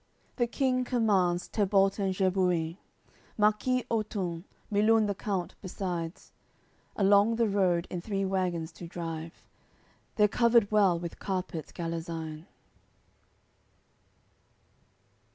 The King commands Tedbalt and Gebuin, Marquis Otun, Milun the count besides: Along the road in three wagons to drive. They're covered well with carpets Galazine. AOI.